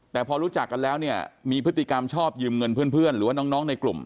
แต่พอรู้จักกันแล้วเนี่ยมีพฤติกรรมชอบยืมเงินเพื่อนหรือว่าน้องในกลุ่ม